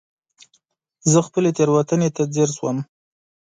زه خپلې تېروتنې ته ځير شوم.